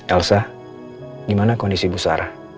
elsa gimana kondisi bu sarah